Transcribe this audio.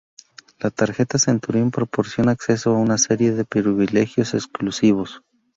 La tarjeta Centurión proporciona acceso a una serie de privilegios exclusivos.